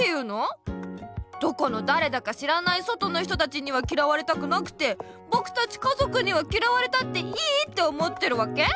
どこのだれだか知らない外の人たちにはきらわれたくなくてぼくたち家族にはきらわれたっていいって思ってるわけ？